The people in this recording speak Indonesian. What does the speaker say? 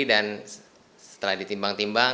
dan setelah ditimbang timbang